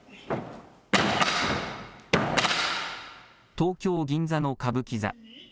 東京・銀座の歌舞伎座。